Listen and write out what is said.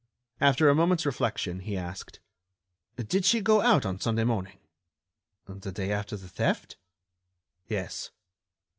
After a moment's reflection he asked: "Did she go out on Sunday morning?" "The day after the theft?" "Yes."